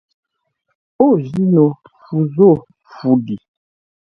Ô jí no fu zô fu li.